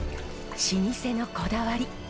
老舗のこだわり。